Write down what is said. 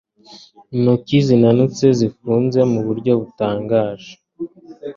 Intoki zinanutse zifunze muburyo butangaje